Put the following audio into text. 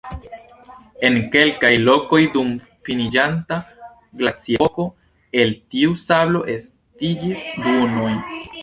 En kelkaj lokoj dum finiĝanta glaciepoko el tiu sablo estiĝis dunoj.